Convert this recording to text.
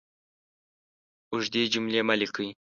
اوږدې جملې مه لیکئ!